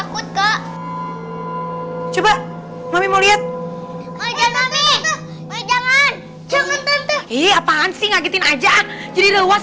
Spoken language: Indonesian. coba mau lihat jangan jangan jangan eh apaan sih ngagetin aja jadi luas